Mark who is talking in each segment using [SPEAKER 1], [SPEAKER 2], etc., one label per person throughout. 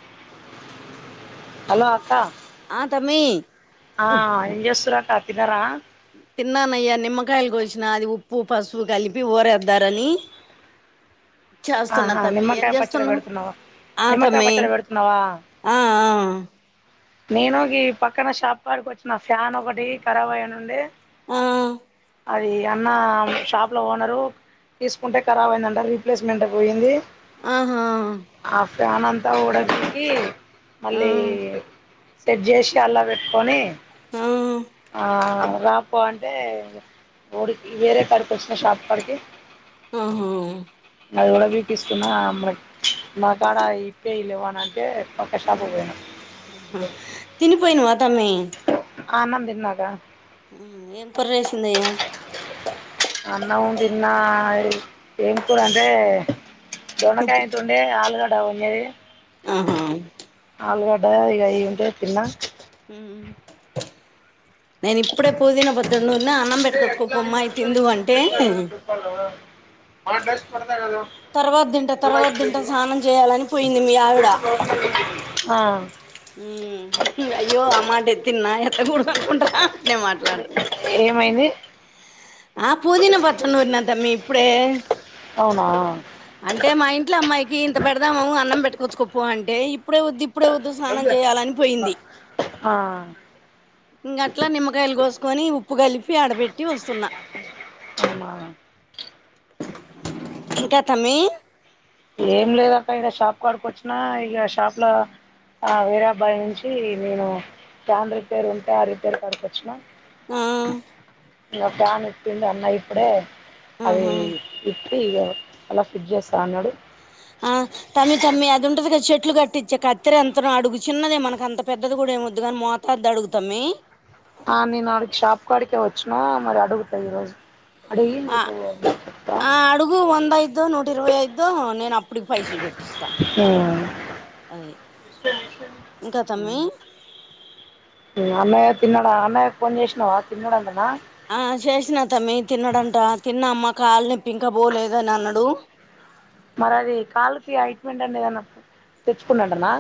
[SPEAKER 1] [inaudible]
[SPEAKER 2] Hello అక్క
[SPEAKER 1] ఆ తమ్మీ
[SPEAKER 2] ఆ ఎంజసూరు అక్క తినర
[SPEAKER 1] తిన్నానయ్యా నిమ్మకాయలు కోసిన అది ఉప్పు పసుపు కలిపి ఊరేద్దారని చేస్తున్నా
[SPEAKER 2] ఆహా
[SPEAKER 1] తమ్మి ఏం
[SPEAKER 2] నిమ్కాయ పచ్చడ
[SPEAKER 1] చేస్తున్నావ్
[SPEAKER 2] పెడుతునవ
[SPEAKER 1] ఆ
[SPEAKER 2] నిమ్మకాయ
[SPEAKER 1] తమ్మి
[SPEAKER 2] పచ్చడ పెడుతున్నావా
[SPEAKER 1] ఆ ఆ
[SPEAKER 2] నేను గి పక్కన షాప్ కాడికి వచ్చిన ఫ్యాన్ ఒకటి కరబ్ అయనుండి
[SPEAKER 1] ఆ
[SPEAKER 2] అది అన్న షాప్లో ఓనరు తీసుకుంటే ఖరాబ్ అయిందంట రీప్లేస్మెంట్కు పోయింది
[SPEAKER 1] ఆహా
[SPEAKER 2] ఆ ఫ్యాన్ అంతా ఊడబికి
[SPEAKER 1] ఆ
[SPEAKER 2] మళ్ళీ సెట్ జేసి అలా పెట్టుకొని
[SPEAKER 1] ఆ
[SPEAKER 2] ఆ రాపో అంటే ఉడికి వేరే కడికి వచ్చినా షాప్ క్కడికి
[SPEAKER 1] ఆహా
[SPEAKER 2] అది ఉడా బీకిస్తున్నా నా కాడ ఇపేయ్యే లేవ్వని అంటే పక్క
[SPEAKER 1] ఆ
[SPEAKER 2] షాపుకు పోయినా
[SPEAKER 1] ఆహా తిని పోయినవ తమి
[SPEAKER 2] ఆనందిన్నాకా
[SPEAKER 1] హామ్ ఏం కుర చేేసింద
[SPEAKER 2] అన్నం తిన ఏం కుర అంటె చెమ్మా కయ ఇంత ఉండే ఆలుగడ్డ ఉన్నది
[SPEAKER 1] ఆహా
[SPEAKER 2] ఆలుగడ్డ ఇగ ఇవి ఉంటే తిన్న
[SPEAKER 1] హ్ నేను ఇప్పుడే పుదీన
[SPEAKER 2] ఇ ఎట్లా ఎట్లా
[SPEAKER 1] అంటే
[SPEAKER 2] అని చెప్ప నువ్వు హాల్డెస్ పడదా కద
[SPEAKER 1] తర్వాత తింట తర్వాత తింట స్నానం చేయాలని పోయింది. మీ ఆవిడ
[SPEAKER 2] ఆ
[SPEAKER 1] హ్ అయ్యో అమ్మాట ఎత్తిన ఎత్తకూడదు అనుకుంటారా అట్లే మాట్లాడుతున్నా
[SPEAKER 2] ఏంది
[SPEAKER 1] ఆ పుదీనా పచ్చడ నూరిన తమ్మి ఇప్పుడే
[SPEAKER 2] అవునా
[SPEAKER 1] అంటే మా ఇంట్లో అమ్మాయి టి ఇంత పెడదాము అన్నం పెటుకోవచ్చు కపో అంట ఇప్పుడే వద్దు ఇప్పుడే వద్దు స్నానం చేయాలని పోయింది
[SPEAKER 2] ఆ
[SPEAKER 1] ఇంకట్లా నిమ్మకాయలు కోసుకొని ఉప్పు కలిపి ఆడబెట్టి వస్తున్నా
[SPEAKER 2] అమ్మ
[SPEAKER 1] ఇంకాతమ్మీ
[SPEAKER 2] ఏం లేదక్క ఇగా షాప్ కాడికి ఓచ్చిన ఇక షాప్ లో ఆ వీరాబాయి నుంచి నేను తన్ రిపేర్ ఉంటే ఆ రిపేర్ కడికొచ్చిన
[SPEAKER 1] ఆ
[SPEAKER 2] ఇంకా ఫ్యాన్ ఇచ్చింది. అన్న ఇప్పుడే అది
[SPEAKER 1] ఆహా
[SPEAKER 2] ఇ ప్పి ఈగ ఆలా ఫ్రిడ్జ జేస్త అన్నడు
[SPEAKER 1] ఆ తమ్మి తమ్మి అది ఉంటది కదా చెట్టు చెట్లు కట్టించే కత్తిర ఎంతనో అడుగు చిన్నదే మనకు అంత పెద్దది కూడా ఏమొద్దు కాని మోతాద్దది అడుగు తమ్మీ
[SPEAKER 2] ఆ నేను అడికి షాప్ కాడికే ఓచ్చిన మరి అడుగుతా ఈ రోజు
[SPEAKER 1] ఆ ఆ అడుగు వంద ఐతదో నూట ఇరవై ఐతధో అప్ప టికి పైసలు కొట్టిస్తా అది ఇంకా
[SPEAKER 2] ఉమ్
[SPEAKER 1] తమ్మి
[SPEAKER 2] అన్నయ్య తిన్నాడా అన్నయ్య ఫోన్ చేసినావా తిన్నాడు అంటన
[SPEAKER 1] ఆ చేసిన తమ్మి తిన్నాడంట తిన్నా అమ్మా కాళ్ళునోప్పి ఇంకా పోలేదని అన్నాడు
[SPEAKER 2] మరి అది కాళ్లుకి అయింటుమెంటు అన్న ఏదన్న తెచ్చుకున్నాంటనా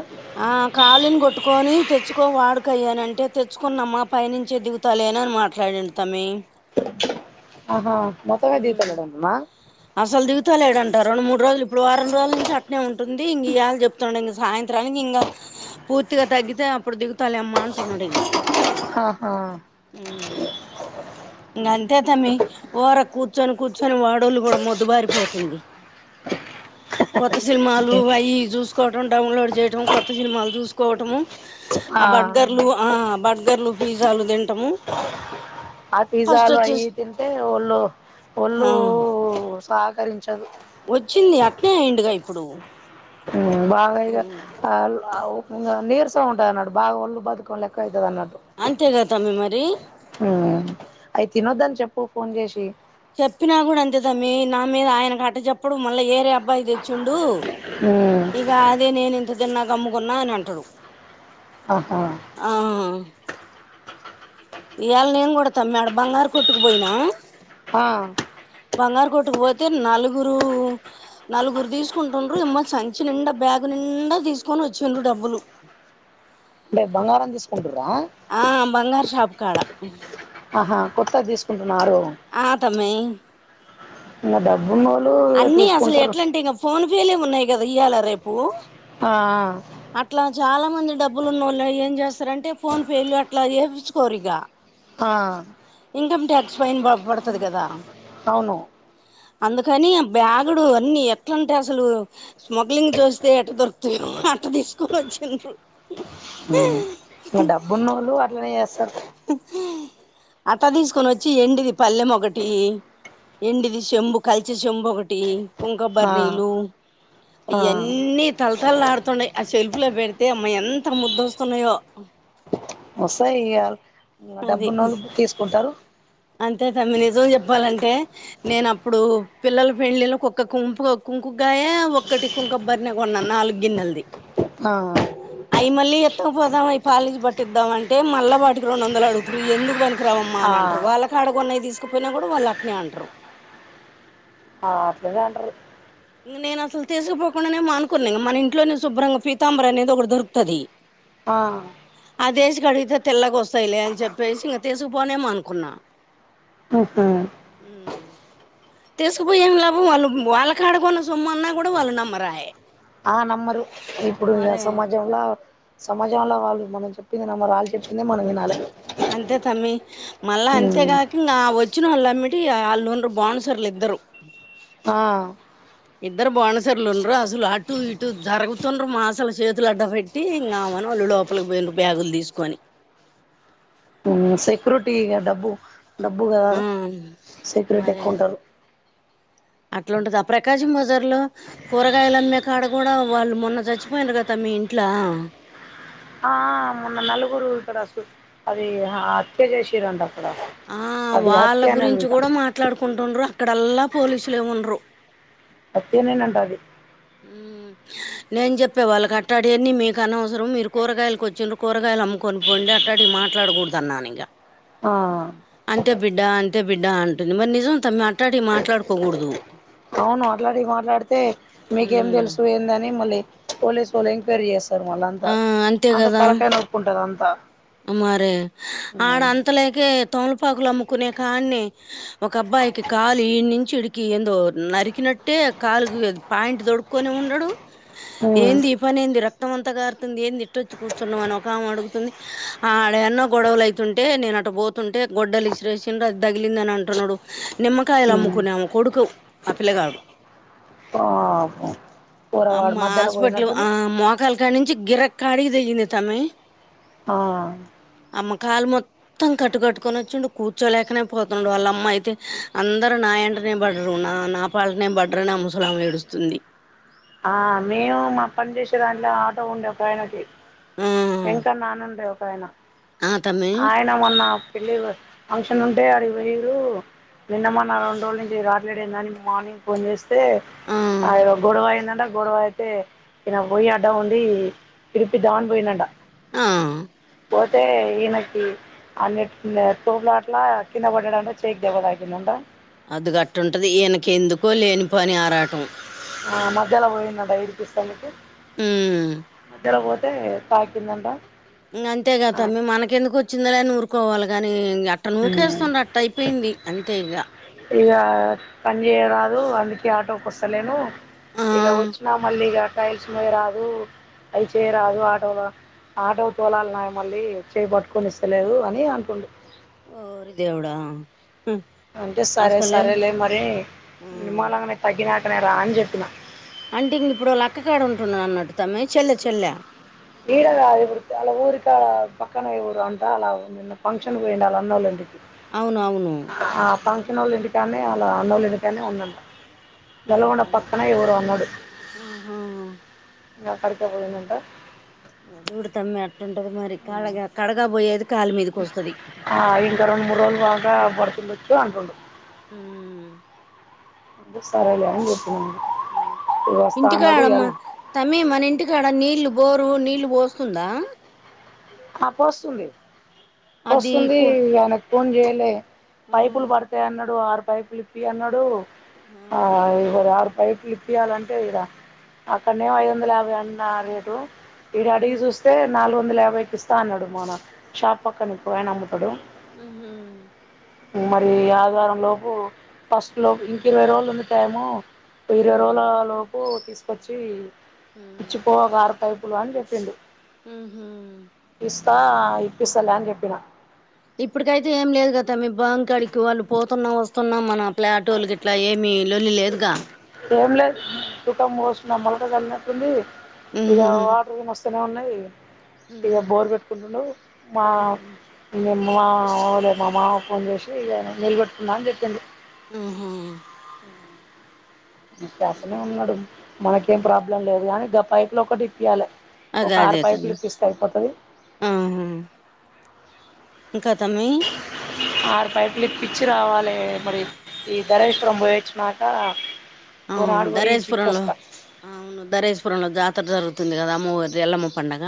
[SPEAKER 1] ఆ కాలుని కొట్టుకొని తెచ్చుకోని వాడుక అయ్యానంటే తెచ్చుకున్న అమ్మా పై నుంచి డి లే తనని మాట్లాడిండు తమ్మీ
[SPEAKER 2] ఆహా మోత్తమే దీగుత లేదంటనా
[SPEAKER 1] అసలు దిగుతా లేడంట రెండు మూడు రోజులు ఇప్పుడు వారం రోజుల నుంచి అట్న ఉంటుంది ఇంక ఇయ్యాల చెప్తున్నాడు ఇ సాయంత్రమ్ మనికి ఇంకా పూర్తిగా తగ్గితే అప్పుడు దిగుతాలే అమ్మ అంటున్నాడు. ఇగా
[SPEAKER 2] ఆహా
[SPEAKER 1] ఇంకా అంతే తమ్మీ వొరకు కూర్చొని కూర్చొని వాడోళ్లు కూడా మొద్దుబారిపోతుంది. కొత్త సినిమాలు
[SPEAKER 2] ఓకే
[SPEAKER 1] అవి చూసుకోవటం డౌన్లోడ్ చేయటం కొత్త సినిమాలు చూసుకోవటము ఆ బర్గర్లు ఆ బర్గర్లు పిజ్జాలు తింటాము
[SPEAKER 2] ఆ పిజ్జాలు అవి తింటే ఒళ్ళు ఒళ్ళు సాగు
[SPEAKER 1] వోచ్చింది అట్టనే అయిండుగా ఇప్పుడు
[SPEAKER 2] బాగా ఇగా ఇంగా నీరసం ఉంటది. అన్నాట్టు బాగా ఒళ్ళు బద్దకం లెక్క అయితది న్నట్టు
[SPEAKER 1] అంతేగా తమ్మి మరి
[SPEAKER 2] అయి తినొద్దని చెప్పు ఫోన్ చేసి
[SPEAKER 1] చెప్పినా కూడా అంతేతమ్మీ నా మీద ఆయనకు అట్ట చెప్పడు మళ్ళా ఏరే అబ్బాయి తెచ్చిండు
[SPEAKER 2] మ్మ్
[SPEAKER 1] ఇంకా అది నేను ఇంత తిన్నాక అమ్ముకున్నాడు అని అంటాడు.
[SPEAKER 2] ఆహా
[SPEAKER 1] ఆ ఇయల నేను కూడా తమ్మీ బంగారు కొట్టుకుపోయినా
[SPEAKER 2] ఆ
[SPEAKER 1] బంగారు కొట్టు కు పోతే నలుగురు నలుగురు తీసుకుంటుండ్రు ఇమ్మ సంచి నిండా బ్యాగు నిం నిండా తీసుకొని వచ్చిండ్రు డబ్బులు
[SPEAKER 2] టే బంగారం తీసుకుంటురు రా
[SPEAKER 1] ఆ బంగారు షాప్ కాడ
[SPEAKER 2] ఆహా కొత్తది తీసు
[SPEAKER 1] ఆ తమ్మి
[SPEAKER 2] ఇగ డబ్బున్నోళ్ళు తీసుకుంటర్రు
[SPEAKER 1] ఏలేమున్నాయి గదా ఇయ్యాల రేపు
[SPEAKER 2] ఆ ఆ
[SPEAKER 1] అట్లా చాలా మంది డబ్బులున్నోళ్ళు ఏం చేస్తారంటే ఫోన్ పే లు అట్లా చేపిచ్చుకోరు ఇగ
[SPEAKER 2] ఆ
[SPEAKER 1] ఇన్కమ్ ట్యాక్స్ ఫైన్ ప పడతది కదా
[SPEAKER 2] అవును
[SPEAKER 1] అందుకని ఆ బ్యాగుడు అన్నీ ఎట్లంటే అసలు స్మగ్లింగ్ చేస్తే ఎట్ట దొరుకు [unintelligible] అట్ట తీసుకోని ఒచ్చిండ్రు
[SPEAKER 2] ఇంగ డబ్బున్నోళ్ళు అట్లనే చేస్తారు
[SPEAKER 1] అట్ట తీసుకొనొచ్చి ఎండిది పల్లెం ఒకటి ఎండిది చెంబు కలిషె చెంబు ఒకటి కుంకపు
[SPEAKER 2] ఆ
[SPEAKER 1] బరినీలు
[SPEAKER 2] ఆ
[SPEAKER 1] అయన్నీ తలతలాడుతుండాయి ఆ షెల్ఫ్ లో పెడు తే అమ్మ ఎంత ముద్దొస్తున్నాయో
[SPEAKER 2] వస్తాయి ఇయాల్ ఇంగ
[SPEAKER 1] అది
[SPEAKER 2] డబ్బున్నోల్లు తీసుకుంటారు
[SPEAKER 1] అంతే తమ్మి నిజం చెప్పాలంటే నేను అప్పుడు పిల్లల పెళ్లిళ్ళకు ఒక్క కుంపుగ కు కుంకుగ్గాయ ఒక్కటి కుంకపు భరిణె కొన్నా నాలుగు గిన్నెలది
[SPEAKER 2] ఆ
[SPEAKER 1] అయి మళ్ళీ త్తుకు పోదాం అయి పాలిష్ పట్టిద్దాం అంటే మళ్ళా వాటికి రెండొందలు అడుగుతుర్రు ఇవి ఎందుకు పనికిరావమ్మా
[SPEAKER 2] ఆ
[SPEAKER 1] అని అం ట్రు వాళ్ళకాడ గొన్నయి తీసుకుపోయినా గూడా వాళ్ళు అట్నే అంటరు
[SPEAKER 2] ఆ అట్లనే అంట్రు
[SPEAKER 1] నేను అసలు తీసుకోపోకుండానే మానుకున్నా ఇంగ మన ఇంట్లోనే శుభ్రంగా పీతాంబరి అనేది ఒకటి దొరుకుతది
[SPEAKER 2] ఆ
[SPEAKER 1] అదేసి కడిగితే తెల్లగా వస్తాయిలే అని చెప్పేసి ఇంక తీసుకుపోనే మానుకున్నా
[SPEAKER 2] [unintelligible]
[SPEAKER 1] ఊ తీసుకుపోయి ఏం లాభం వాళ్ళు వాళ్ళకాడ కొన్న సొమ్ము అన్నా కూడా వాళ్ళు నమ్మరాయే
[SPEAKER 2] ఆ నమ్మరు ఇప్పుడు ఇగ
[SPEAKER 1] మరే
[SPEAKER 2] సమాజం ల సమాజంలో వాళ్ళు మనం చెప్పింది నమ్మరు వాళ్ళు చెప్పిందే మనం వినాలె
[SPEAKER 1] అంతే తమ్మి మళ్ళా
[SPEAKER 2] ఉమ్
[SPEAKER 1] అంతేగాక ఇంగా ఆ వచ్ చ్చినోళ్ళ అమ్మిటి ఇయ ఆళ్ళున్రు బౌన్సర్లు ఇద్దరు
[SPEAKER 2] ఆ
[SPEAKER 1] ఇద్దరు బౌనసర్లు ఉండ్రు అసలు అటు ఇటు జరుగుతుండ్రు మా అసలు చేతులు అడ్డ పెట్టి ఇంగామె మన వాళ్ళు లోపలికి పోయిండ్రు బ్యాగులు తీసుకొని
[SPEAKER 2] ఉమ్ సెక్యూరిటీగా డబ్బు డబ్బు గదా
[SPEAKER 1] ఆ
[SPEAKER 2] సెక్యూరిటీ ఎక్కువుంటారు
[SPEAKER 1] అట్ల ఉంటది ఆ ప్రకాశం బజార్ లో కూరగాయలు అమ్మే కాడ గూడా వాళ్ళు మొన్న చచ్చిపోయిండ్రు గా తమ్మీ ఇంట్ల
[SPEAKER 2] ఆ మొన్న నలుగురు ఇక్కడ సు అది హత్య చేసిర్రంట
[SPEAKER 1] ఆ వాళ్ళ గురించి కూడా మాట్లాడుకుంటుండ్ర ఇక్కడల్లా పోలీసులే ఉండ్రు
[SPEAKER 2] వట్టిగానేంట అది
[SPEAKER 1] ఊ నేను చెప్పా వాళ్ళకి అట్టాటియన్ని మీకు అనవసరం మీరు కూరగాయలకి వచ్చిండ్రు కూరగాయలు అమ్ముకొని పోండి అట్టాటి మాట్లాడకూడదు అన్నానిగా
[SPEAKER 2] ఆ
[SPEAKER 1] అంతే బిడ్డ అంతే బిడ్డ అంటుంది మరి నిజం తమ్మీ అట్లాంటివి మాట్లాడుకోకూడదు
[SPEAKER 2] అవును అట్లాటిన్వీ మాట్లాడితే మీకేం
[SPEAKER 1] మ్మ్
[SPEAKER 2] తెలుసు ఏందని మళ్ళీ పోలీసు ఓళ్ళు ఎంక్వైరీ చేస్త్ ారు మళ్ళ అంతా
[SPEAKER 1] ఆ అంతే
[SPEAKER 2] అంత
[SPEAKER 1] కదా
[SPEAKER 2] తలకై నొప్పి ఉంటాది అంతా
[SPEAKER 1] మరే అడ
[SPEAKER 2] ఉమ్
[SPEAKER 1] అంతలెకే తమలపాకులు అమ్ముకునే కాడ్నే ఒక అబ్బాయికి కాలు ఇడ్నచి ఈడికి ఎందో నరికినట్ నట్టే కాలుకు పాయింట్ తోడుకొని ఉండడు ఏంది ఈ పని ఏంది రక్తం అంతా కారుతుంది ఏంది ఇట్టొచ్చి కూర్చున్నావ్ అని ఒక ఆమె అడుగుతుంది ఆడ్ ఎన్నో గొడవలు అయితుంటే నేను అటు పోతుంటే గొడ్డలు ఇసిరేసిడు అది తగిలింది అని అంటున్నాడు నిమ్మకాయలు
[SPEAKER 2] ఉమ్
[SPEAKER 1] అమ్ముకునే ఆమె కొడుకు ఆ పిల్లగాడు
[SPEAKER 2] పాపం
[SPEAKER 1] అమ్మ
[SPEAKER 2] పోరగాడు మధ్యలో
[SPEAKER 1] హాస్పిటల్
[SPEAKER 2] పోయినట్టుంది
[SPEAKER 1] ఆ మోకాలు కాడ నుంచి గిర కాడి తెగింది తమ్మీ
[SPEAKER 2] ఆ
[SPEAKER 1] అమ్మ కాలు మొత్తం కట్టుకట్టుకొని వచ్చిడు కూర్చోలేకనేపోతుండు వాళ్ళ అమ్మ అయితే అందరు నా వెంటనే [inaudible] ఉన్నా నా పాలనే బడర్ అని ఆ ముసలమే ఏడుస్తుంది
[SPEAKER 2] ఆ మేము మా పని చేసే దాంట్ల ఆటో ఉండే ఒక ఆయనకి
[SPEAKER 1] ఆ
[SPEAKER 2] వెంకన్న అని ఉండే ఒక
[SPEAKER 1] ఆ తమ్మి
[SPEAKER 2] ఆయన మొన్న పెళ్లికి పో ఫంక్షన్ ఉంటే అడికి పోయిళ్లు నిన్న మొన్న రెండు రోజుల నుంచి రావట్లేడు ఏంది అని మార్నింగ్ ఫోన్ చెస్ చేస్తే
[SPEAKER 1] ఆ
[SPEAKER 2] అ ఏదో గొడవ అయిందా నట గొడవ అయితే ఈయన పోయి అడ్డం ఉండి ఇడిపిదం అని పోయిండు అంటా
[SPEAKER 1] ఆ
[SPEAKER 2] పోతే ఈయనకి ఆయన ఇట్లనే తోపులాటల కింద పడ్డాడు అంటా చేయి కి దెబ్బ తాకింది అంటా
[SPEAKER 1] అది గట్టుంటది ఈయనకి ఎందుకో లేని పని ఆరాటం
[SPEAKER 2] ఆ మధ్యలో పోయిండు అంటా విడిపించేందుకు
[SPEAKER 1] ఉమ్
[SPEAKER 2] మధ్యలో పోతే తే తాకిందింట
[SPEAKER 1] ఇంగ అంతే గదా తమ్మీ మనకెందుకు వచ్చిందిలే అని ఊరుకోవాలి గాని ఇగ అట్ట
[SPEAKER 2] ఆ
[SPEAKER 1] నూకేస్తున్నట్టు అయిపోయింది అంతే ఇగ
[SPEAKER 2] ఈ ఆటోకి వస్తలేను
[SPEAKER 1] ఆ
[SPEAKER 2] ఇగ వచ్చినా మళ్ళీ ఇగా రైస్ మోయరాదు అవి చేయరాదు ఆటోల ఆటో తొలన్నాయే మళ్ళీ చేయి పట్టుకొని ఇస్తలేదు అని అంటుండు
[SPEAKER 1] ఓరి దేవుడా
[SPEAKER 2] అంటే సరే
[SPEAKER 1] అసలే
[SPEAKER 2] సరేలే మరి
[SPEAKER 1] ఉమ్
[SPEAKER 2] నిమ్మళంగానే తగ్గినాకనే రా అని చెప్పిన
[SPEAKER 1] అంటే ఇంగ ఇప్పుడు వాళ్ళ అక్క కాడ ఉంటున్నట్న తమ్మీ చెల్లె చెల్ల
[SPEAKER 2] ఈడ కాదు ఇప్పుడు ఊరికి కాడ పక్కన ఊరు అంట అలా నిన్న ఫంక్షన్కి పోయిండు అంటా వాళ్ల అన్నోళ్ళు ఇంటికీ
[SPEAKER 1] అవును అవును
[SPEAKER 2] పిన్నోలు ఇంటికనే వాళ్ళ అన్నోళ్ళ ఇంటికానే ఉన్నాడంట నల్గొండ
[SPEAKER 1] ఆహా
[SPEAKER 2] పక్కన ఏ ఊరో అన్నడు
[SPEAKER 1] ఆహా
[SPEAKER 2] ఇంగ అక్కడికే పోయిండు అంటా
[SPEAKER 1] అదూడు తమ్మీ అటుంటది మరి కడగా కడగా పోయేది కాలి మీదకి వస్తది
[SPEAKER 2] ఆ ఇంకా రెండు మూడు రోజులు కాగా బడతుండొచ్చు అంటుండు
[SPEAKER 1] మ్
[SPEAKER 2] అందుకు సరేలే అని చెప్పిన
[SPEAKER 1] ఇంటికాడమ్మా తమ్మీ మన ఇంటికాడ నీళ్ళు బోరు నీళ్ళు పోస్తుండా
[SPEAKER 2] ఆ పోస్తుంది
[SPEAKER 1] అది
[SPEAKER 2] పోస్తుంది
[SPEAKER 1] కో
[SPEAKER 2] ఆయనకి ఫోన్ చేయలే
[SPEAKER 1] ఆ
[SPEAKER 2] పైపులు పడతాయి అన్నాడు ఆరు పైపులు ఇప్పి అన్నాడు ఆ ఇవరి ఆరు పైపులు ఇప్పయాలంటే ఈడ అక్కడనేమో ఐదు వందల యాభై అన్న రేటు ఇడా అడిగి
[SPEAKER 1] ఉమ్
[SPEAKER 2] చూస్తే నాలుగు వందల యాభైకి ఇస్తా అన్నాడు మాన షాప్ పక్కనా ఒక ఆయన అమ్ముతడు
[SPEAKER 1] హుమ్
[SPEAKER 2] మరి ఈ ఆదివారం లోపు ఫస్ట్ లోపు ఇంక ఇరవై రోజులు ఉంది టైము ఇరవై
[SPEAKER 1] ఉమ్
[SPEAKER 2] రోజుల లోపు తీసుకొచ్చి ఇచ్చిపో కారు పైప్ పిల్లా అని చెప్పిండు
[SPEAKER 1] ఉ హ
[SPEAKER 2] ఇస్తా ఇప్పిస్తలే అని చెప్పిన
[SPEAKER 1] ఇప్పుటికైతే ఏం లేదు కదా తమ్మీ బం కడికి వాళ్ళు పోతున్నా వస్తున్నాం మన క్లాటోళ్ళు గిట్లా ఏమీ లొల్లి లేదుగా
[SPEAKER 2] ఏం లేదు కుటం పోస్తు నా మలక జల్లినట్టుంది ఇక
[SPEAKER 1] ఉహు
[SPEAKER 2] వాటర్ గీని వస్తనే వున్ ఇగ ఇగ బోర్ కట్టుకు ఉండయ్ మా
[SPEAKER 1] ఉహు
[SPEAKER 2] మన్ ఆ అవులే మా మామ కు ఫోన్ చేసి ఇలా నిలబెట్టుకున్నా అని చెప్పింది
[SPEAKER 1] ఊహు
[SPEAKER 2] నీకు చేస్తనే ఉన్నాడు మనకేం
[SPEAKER 1] అంతే
[SPEAKER 2] ప్రాబ్లం లేదు కానీ గా పైప్ లు ఒకటి ఇప్పియాలి ఒక
[SPEAKER 1] అదే
[SPEAKER 2] ఆరు
[SPEAKER 1] అదే
[SPEAKER 2] పైపులు
[SPEAKER 1] తమ్మి
[SPEAKER 2] ఇప్పిస్తే అయిపోతది
[SPEAKER 1] ఆహా ఇంకా అతన్ని
[SPEAKER 2] ఆరు పైపులు ఇపిచ్చి రావాలే మరి ఈ ధరేశ్వరం పొయ్యోచ్చినాక
[SPEAKER 1] ఆ ధరేశ్ పురంలో ఆ అవును ధరేశ్ పురంలో జాతర జరుగుతుంది తుందిగా అమ్మవారి ఎల్లమ్మ పండగ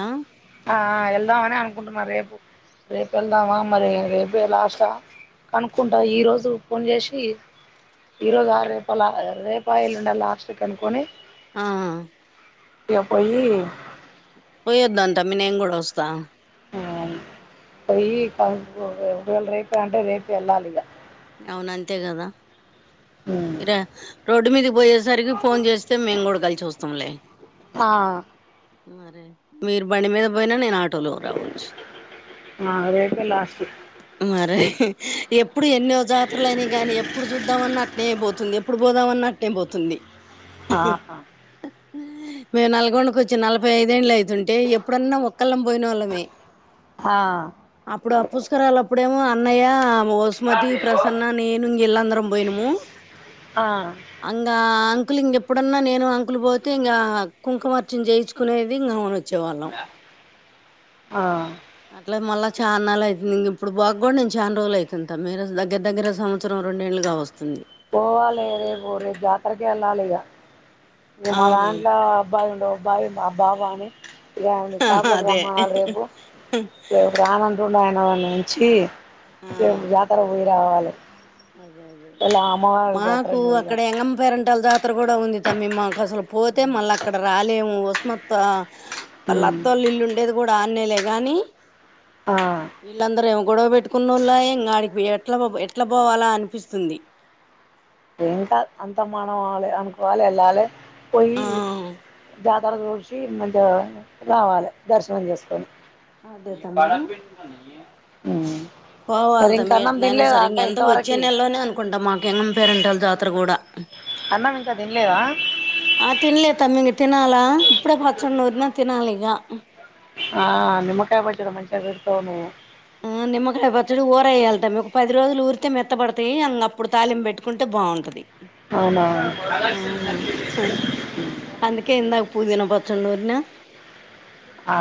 [SPEAKER 2] ఆ వెళ్దామనే అనుకుంటున్నా రేపు రేపు వెళ్దామా మరి రేపే లాస్టా కనుక్కుంట ఈ రోజు ఫోన్ చేసి ఈరోజా రేపాల రేపా ఎలుండ లాస్ట్ కి కనుకొని
[SPEAKER 1] ఆ
[SPEAKER 2] ఇక పోయి
[SPEAKER 1] పోయొద్దంట అమ్మి నేం కూడా వస్తా
[SPEAKER 2] ఆది పోయి కనుకో రెండు రోజులు రేపే అంటే రేపు వెళ్ళాలి ఇగ
[SPEAKER 1] అవునంతే కదా
[SPEAKER 2] ఉమ్
[SPEAKER 1] ఇర రోడ్డు మీదకి పొయ్యే సరికి ఫోన్ చేస్తే మేము కూడా కలిసి వస్తాంలే
[SPEAKER 2] ఆ
[SPEAKER 1] మీరు బండి మీద పోయినా నేను ఆట్ ఆటో లో రావచ్చు
[SPEAKER 2] ఆ రేపే లాస్ట్
[SPEAKER 1] ఎప్పుడు ఎన్నో జాతరల అయినా కానీ ఎప్పుడు చూద్దాంమన్నా అట్నే పోతుంది ఎప్పుడు పోదామ అన్నా అట్నే పోతుంది
[SPEAKER 2] ఆహా
[SPEAKER 1] మేము నల్గొండకి వచ్చి నలభై ఐదేండ్లు అయిద్ సంటే ఎప్పుడన్నా ఒక్కళ్ళం పోయినోళ్ళమే
[SPEAKER 2] ఆ
[SPEAKER 1] అప్పుడు ఆ పుష్కరాలు అప్పుడు డేమో అన్నయ మస్మతి ప్రసన్న నేను ఇలాందరం పోయినము
[SPEAKER 2] ఆ
[SPEAKER 1] అంగ అంకులు ఇంకెప్పుడన్నా నేను అంకులు పోతే ఇంకా కుంకుమార్చన చేయిచుకునేది ఇంగ చ్చేవాళ్ళం
[SPEAKER 2] వస్తుందా ఆ
[SPEAKER 1] అట్లే మళ్ళ చాన్నళ్ళు అయితుంది ఇంగిప్పుడు పొకూడా నేను చానా రోజులు అయితుంది మీరే దగ్గర దగ్గర సంవత్సరం రెండేళ్లు కావస్తుంది
[SPEAKER 2] పోవాలే రేపు రేపు జాతరకి ఎళ్లాలే ఇగ ఇంగ
[SPEAKER 1] ఆ
[SPEAKER 2] మా దాంట్లో అబ్బాయి ఉండే అబ్బాయి మబ్బబా అని ఇగ ఆయన్ని షాపులోకి
[SPEAKER 1] అదే
[SPEAKER 2] రమ్మనాలి రేపు రేపు రానుంటుండు ఆయన వానుంచి
[SPEAKER 1] ఆ
[SPEAKER 2] రేపు జాతరకి పోయి రావాలి
[SPEAKER 1] అదే అదే
[SPEAKER 2] ఇలా అమ్మవారి జాతర
[SPEAKER 1] మాకు
[SPEAKER 2] మరిగా
[SPEAKER 1] అక్కడ ఎంగమ్మ పేరంటల జాతర కూడా ఉంది తమ్మి మాకు అసలు పోతే మళ్ళా అక్కడ రాలేము ఉస్మాత్ వాళ్ల
[SPEAKER 2] ఉమ్
[SPEAKER 1] అత్తోళ్ళా ఇల్లు ఉండేది కూడా ఆడ్నేలే గాని
[SPEAKER 2] ఆ
[SPEAKER 1] వీళ్ళందరూ ఏమో గొడవ పెట్టుకున్నోళ్ళయే ఇంగ అడికి ఎట్లా పొ ఎట్లా పోవాలా అనిపిస్తుంది
[SPEAKER 2] ఏంకాద్ అంత మనవాళ్లే అనుకోవాలి ఎళ్ళాలే పోయి
[SPEAKER 1] ఆ
[SPEAKER 2] జ తర చూచి మంచిగా రావాలి దర్శనం చేసుకొని
[SPEAKER 1] అదే తమ్మి
[SPEAKER 2] ఉమ్మ్
[SPEAKER 1] పోవాలి తమ్మి ఎట్నైనా సరే ఇంకేంతా వచ్చే
[SPEAKER 2] ఇంతవరకి
[SPEAKER 1] నెలలోనే అనుకుంటా మాకేమ పేరంట జాతర కూడా
[SPEAKER 2] అన్నం ఇంకా తినలేదా
[SPEAKER 1] ఆ తిన్లే తమ్మి ఇంగ తి తినాలా ఇప్పుడే పచ్చడిన్నూరినా తినాలి ఇగ
[SPEAKER 2] ఆ నిమ్మకాయ పచ్చడి మంచిగా పెడతావు నువ్వు
[SPEAKER 1] ఆ నిమ్మకాయ పచ్చడి ఊరేయాల తమ్మి ఒక పది రోజులు ఊరి స్తే మెత్తపడతాయి ఇంగప్పుడు తాలింపు పెట్టుకుంటే బాగుంటది
[SPEAKER 2] అవునా
[SPEAKER 1] ఆ
[SPEAKER 2] ఉమ్మ్
[SPEAKER 1] చ్చొడిన్నూరిన
[SPEAKER 2] ఆ